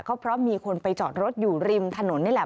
เพราะมีคนไปจอดรถอยู่ริมถนนนี่แหละ